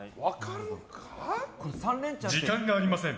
時間がありません。